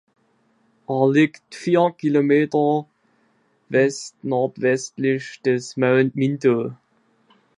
Er liegt vier Kilometer westnordwestlich des Mount Minto.